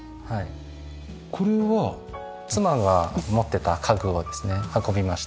妻が持ってた家具をですね運びました。